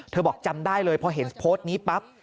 บอกจำได้เลยพอเห็นโพสต์นี้ปั๊บ